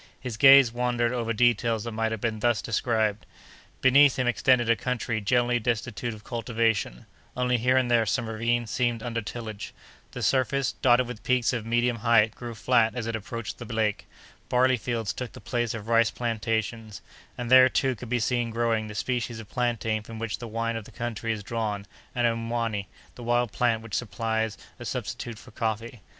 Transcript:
His gaze wandered over details that might have been thus described: "Beneath him extended a country generally destitute of cultivation; only here and there some ravines seemed under tillage; the surface, dotted with peaks of medium height, grew flat as it approached the lake; barley fields took the place of rice plantations, and there, too, could be seen growing the species of plantain from which the wine of the country is drawn, and mwani, the wild plant which supplies a substitute for coffee.